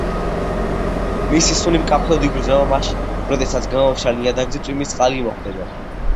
მისი სუნი მკაფიოდ იგრძნობა, მაშინ, როდესაც გამომშრალ ნიადაგზე წვიმის წყალი მოხვდება.